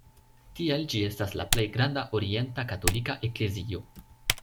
Tiel ĝi estas la plej granda orienta katolika eklezio.